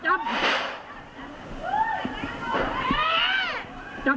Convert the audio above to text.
จับเลยรับ